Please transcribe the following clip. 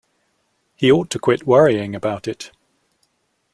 He ought to quit worrying about it.